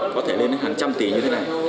có thể lên đến hàng trăm tỷ như thế này